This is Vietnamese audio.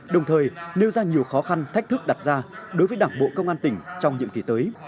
đồng thời nêu ra nhiều khó khăn thách thức đặt ra đối với đảng bộ công an tỉnh trong nhiệm kỳ tới